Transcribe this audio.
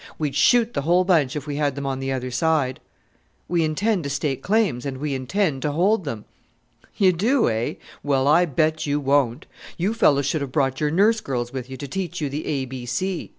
We'd shoot the whole bunch if we had them on the other side." "We intend to stake claims, and we intend to hold them." "You do, eh? well, I bet you won't. You fellows should have brought your nurse girls with you to teach you the A B C."